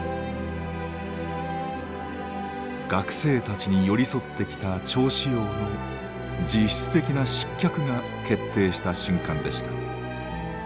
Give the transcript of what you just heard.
学生たちに寄り添ってきた趙紫陽の実質的な失脚が決定した瞬間でした。